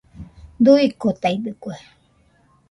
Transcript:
Duuikotaidɨkue